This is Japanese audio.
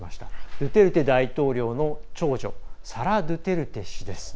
ドゥテルテ大統領の長女サラ・ドゥテルテ氏です。